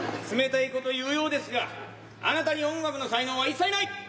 冷たいこと言うようですがあなたに音楽の才能は一切ない。